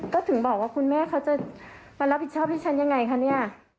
ก็ถึงบอกว่าคุณแม่เขาจะมารับผิดชอบให้ฉันยังไงคะเนี่ย